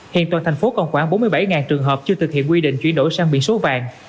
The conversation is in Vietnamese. hiện toàn thành phố còn khoảng bốn mươi bảy trường hợp chưa thực hiện quy định chuyển đổi sang biển số vàng